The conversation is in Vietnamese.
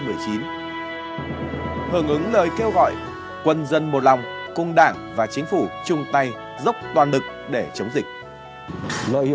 hưởng ứng lời kêu gọi quân dân một lòng cùng đảng và chính phủ chung tay dốc toàn lực để chống dịch